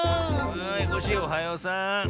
はいコッシーおはようさん。